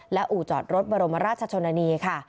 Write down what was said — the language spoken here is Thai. และอู่จอดรถบรมราชชนนานีค่ะ